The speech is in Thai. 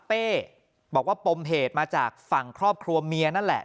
เป้บอกว่าปมเหตุมาจากฝั่งครอบครัวเมียนั่นแหละ